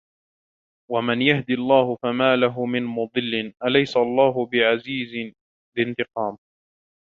ومن يهد الله فما له من مضل أليس الله بعزيز ذي انتقام